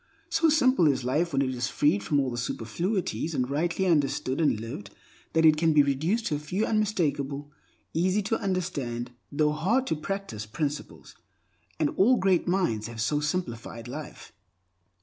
So simple is life when it is freed from all superfluities and rightly understood and lived that it can be reduced to a few unmistakable, easy tounderstand, though hard to practice principles. And all great minds have so simplified life.